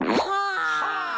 はあ！